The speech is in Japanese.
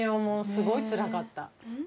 もうすごいつらかった。